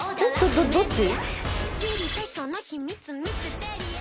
どどどっち？